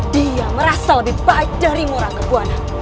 dia merasa lebih baik darimu rangga buana